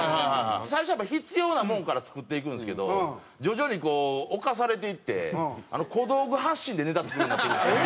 最初はやっぱ必要なものから作っていくんですけど徐々にこう侵されていって小道具発信でネタ作るようになっていくんですよ。